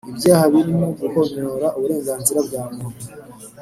Ibyaha birimo guhonyora uburenganzira bwa muntu